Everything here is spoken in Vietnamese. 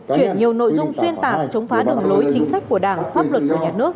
chuyển nhiều nội dung xuyên tạc chống phá đường lối chính sách của đảng pháp luật của nhà nước